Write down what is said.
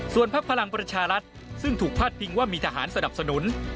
พักพลังประชารัฐซึ่งถูกพาดพิงว่ามีทหารสนับสนุน